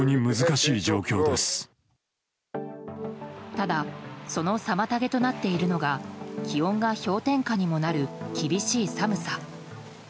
ただその妨げとなっているのが気温が氷点下にもなる厳しい寒さ。